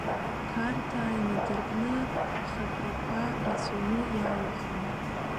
Қарҭаа инадыркны ахатәрақәа рацәаҩны иалахәын.